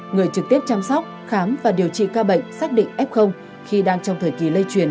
người trực tiếp chăm sóc khám và điều trị ca bệnh xác định f khi đang trong thời kỳ lây truyền